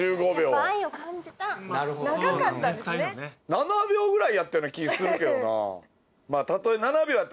７秒ぐらいやったような気するけどな。